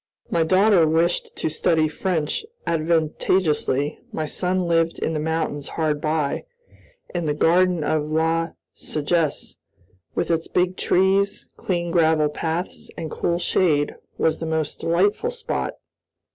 My daughter wished to study French advantageously, my son lived in the mountains hard by, and the garden of La Sagesse, with its big trees, clean gravel paths, and cool shade, was the most delightful spot.